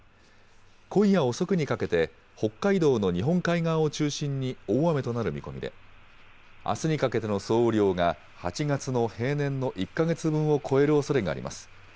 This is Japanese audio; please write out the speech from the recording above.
今夜遅くにかけて、北海道の日本海側を中心に大雨となる見込みで、あすにかけての総雨量が８月の平年の１か月分を超えるおそれがあります。